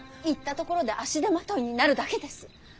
行ったところで足手まといになるだけです。